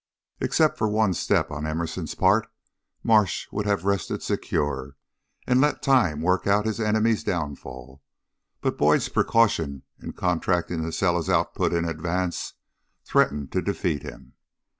Except for one step on Emerson's part, Marsh would have rested secure, and let time work out his enemy's downfall; but Boyd's precaution in contracting to sell his output in advance threatened to defeat him.